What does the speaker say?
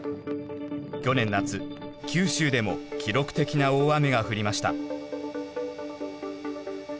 去年夏九州でも記録的な大雨が降りました。